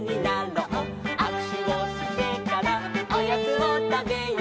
「あくしゅをしてからおやつをたべよう」